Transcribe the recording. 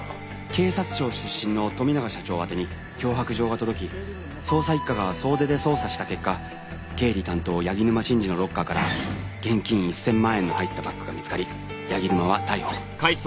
警察庁出身の富永社長宛てに脅迫状が届き捜査一課が総出で捜査した結果経理担当柳沼真治のロッカーから現金１千万円の入ったバッグが見つかり柳沼は逮捕。